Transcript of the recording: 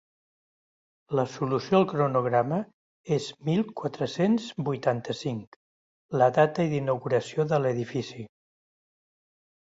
La solució al cronograma és mil quatre-cents vuitanta-cinc, la data d'inauguració de l'edifici.